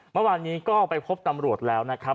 เมื่อวานนี้ก็ไปพบตำรวจแล้วนะครับ